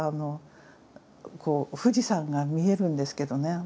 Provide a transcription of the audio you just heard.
富士山が見えるんですけどね